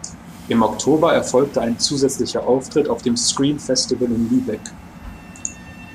Im Oktober erfolgte ein zusätzlicher Auftritt auf dem "Scream"-Festival in Lübeck.